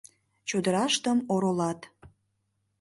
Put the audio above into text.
Чодыраштым оролат